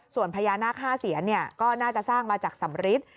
ส่วนพญานาค๕เสียนก็น่าจะสร้างมาจากสำริท